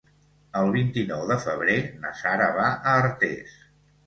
El vint-i-nou de febrer na Sara va a Artés.